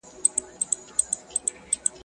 د ملک د مخه مه تېرېږه، د غاتري تر شا.